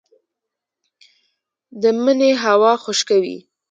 د مني هوا خشکه وي